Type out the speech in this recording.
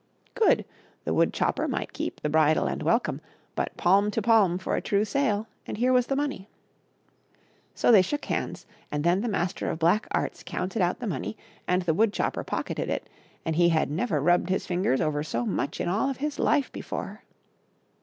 Good ! The wood chopper might keep the bridle and welcome : but palm to palm for a true sale, and here was the money. So they shook hands, and then the Master of Black Arts counted out the money, and the wood chopper pocketed it, and he had never rubbed his fin gers over so much in all of his life before.